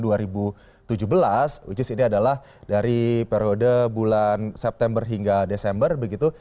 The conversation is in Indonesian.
which is ini adalah dari periode bulan september hingga desember begitu